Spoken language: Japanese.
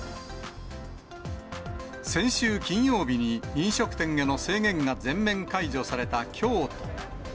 先週金曜日に飲食店への制限が全面解除された京都。